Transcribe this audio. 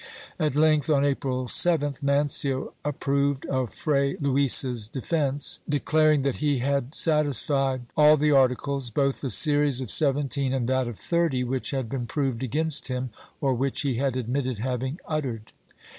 At length, on April 7th Mancio approved of Fray Luis's defence, declaring that he had satisfied all the articles, both the series of seventeen and that of thirty, which had been proved against him or which he had admitted having uttered.